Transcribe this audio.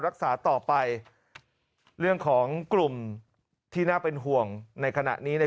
รักษาต่อไปเรื่องของกลุ่มที่น่าเป็นห่วงในขณะนี้ใน